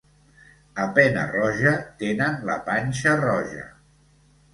A Pena-roja tenen la panxa roja.